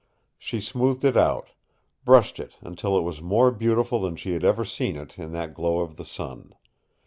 She smoothed it out, brushed it until it was more beautiful than he had ever seen it, in that glow of the sun.